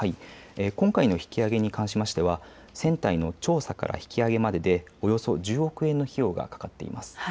今回の引き揚げに関しましては船体の調査から引き揚げまででおよそ１０億円の費用がかかっています。